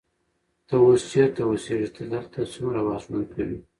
ته اوس چیرته اوسېږې؟ ته دلته څومره وخت ژوند کوې؟